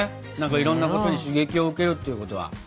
いろんなことに刺激を受けるっていうことは。